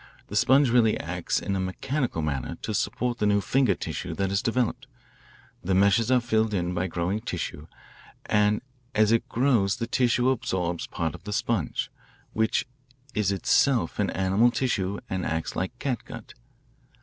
The sponge really acts in a mechanical manner to support the new finger tissue that is developed. The meshes are filled in by growing tissue, and as it grows the tissue absorbs part of the sponge, which is itself an animal tissue and acts like catgut.